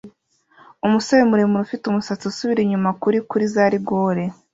Umusore muremure ufite umusatsi usubira inyuma kuri kuri za rigore